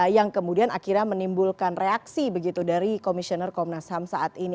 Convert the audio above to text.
yang kemudian akhirnya menimbulkan reaksi begitu dari komisioner komnas ham saat ini